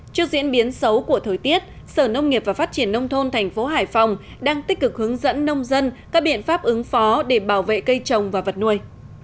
trước diễn biến xấu của thời tiết sở nông nghiệp và phát triển nông thôn thành phố hải phòng đang tích cực hướng dẫn nông dân các biện pháp ứng phó để bảo vệ cây trồng và vật nuôi